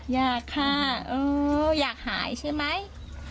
อยากค่ะเอออยากหายใช่ไหม